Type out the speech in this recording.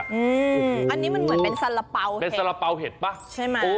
อันนี้มันเหมือนเป็นสาระเป๋าเป็นสาระเป๋าเห็ดป่ะใช่ไหม